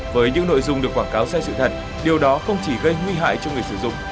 với những nội dung được quảng cáo sai sự thật điều đó không chỉ gây nguy hại cho người sử dụng